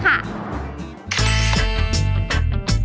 เพราะว่าผักหวานจะสามารถทำออกมาเป็นเมนูอะไรได้บ้าง